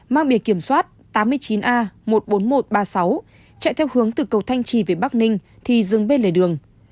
mang bìa kiểm soát tám mươi chín a một mươi bốn nghìn một trăm ba mươi sáu chạy theo hướng từ cầu thanh trì về bắc ninh thì dừng bên lề đường